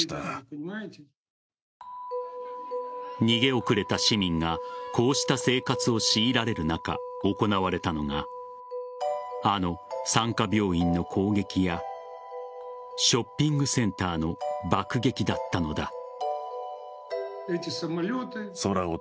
逃げ遅れた市民がこうした生活を強いられる中行われたのがあの産科病院の攻撃やショッピングセンターの爆撃だったのだ。